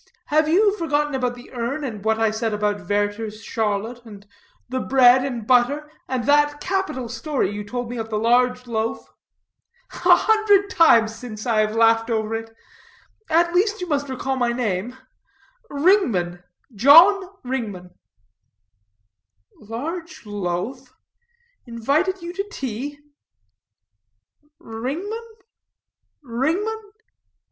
Have you forgotten about the urn, and what I said about Werter's Charlotte, and the bread and butter, and that capital story you told of the large loaf. A hundred times since, I have laughed over it. At least you must recall my name Ringman, John Ringman." "Large loaf? Invited you to tea? Ringman? Ringman? Ring?